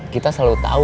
kita selalu tahu